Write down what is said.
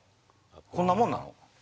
こんなもんなの？